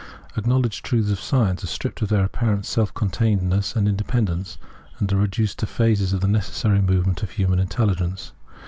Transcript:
Acknowledged truths of science are stripped of their apparent seif containedness and independence, and are reduced to phases of the necessary movement of human intelligence.